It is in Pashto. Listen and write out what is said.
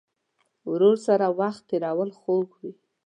ورور سره وخت تېرول خوږ وي.